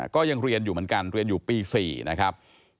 ก็ยังเรียนอยู่เหมือนกันเรียนอยู่ปี๔นะครับ